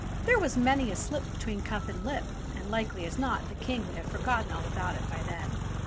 There was many a slip between cup and lip, and, likely as not, the King would have forgotten all about it by then.